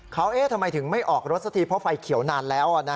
เขาเอ๊ะทำไมถึงไม่ออกรถสักทีเพราะไฟเขียวนานแล้ว